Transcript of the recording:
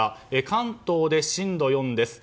関東で震度４です。